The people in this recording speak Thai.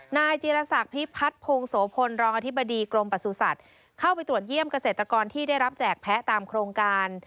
นายจีรศักดิ์พิพัฒน์พงโสพลรองอธิบดีกรมประสุทธิ์เข้าไปตรวจเยี่ยมเกษตรกรที่ได้รับแจกแพ้ตามโครงการ